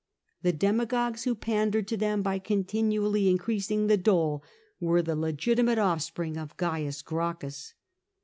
The demagogues who pandered to them by continually increasing the dole were the legitimate offspring of Caius Gracchus.